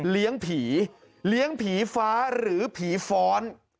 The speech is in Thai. ผีเลี้ยงผีฟ้าหรือผีฟ้อน